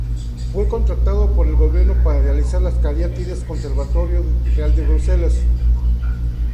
Fue contratado por el gobierno para realizar las cariátides Conservatorio Real de Bruselas.